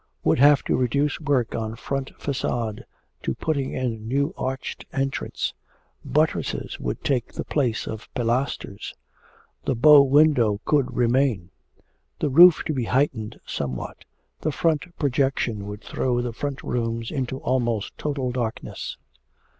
'Would have to reduce work on front facade to putting in new arched entrance. Buttresses would take the place of pilasters. 'The bow window could remain. 'The roof to be heightened somewhat. The front projection would throw the front rooms into almost total darkness.'